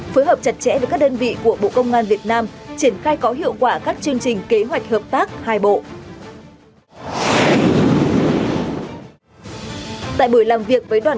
phối hợp chặt chẽ với các đơn vị của bộ công an việt nam triển khai có hiệu quả các chương trình kế hoạch hợp tác hai bộ